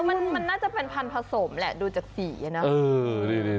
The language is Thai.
มันน่าจะเป็นพันธุ์ผสมแหละดูจากสีนะ